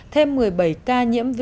thêm một mươi bảy ca nhiễm vụ